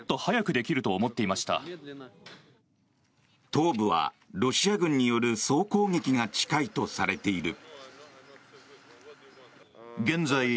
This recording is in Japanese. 東部はロシア軍による総攻撃が近いとされている。